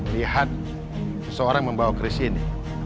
lihat seseorang membawa kris ini